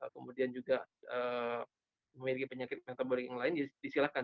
kemudian juga memiliki penyakit metabolik yang lain disilakan